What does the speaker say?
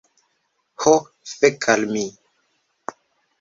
Ho fek' al mi